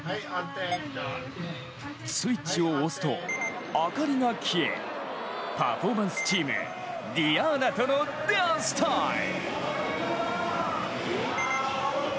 スイッチを押すと明かりが消えパフォーマンスチームディアーナとのダンスタイム。